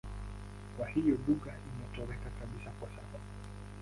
Kwa hiyo lugha imetoweka kabisa kwa sasa.